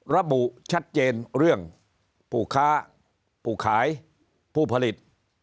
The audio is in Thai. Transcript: ระบุชัดเจนเรื่องผู้ค้าผู้ขายผู้ผลิต